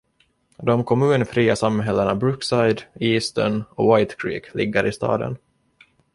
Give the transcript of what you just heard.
De kommunfria samhällena Brookside, Easton och White Creek ligger i staden.